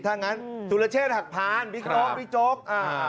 ถ้างั้นสุรเชษฐหักพานบิ๊กโจ๊กบิ๊กโจ๊ก